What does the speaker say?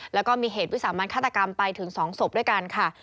แล้วก็มีเหตุวิสามันฆาตกรรมไปถึง๒ศพด้วยกันค่ะ